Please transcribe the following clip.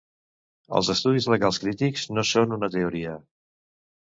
Els estudis legals crítics no són una teoria.